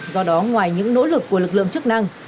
do đó ngoài những nỗ lực của lực lượng chức năng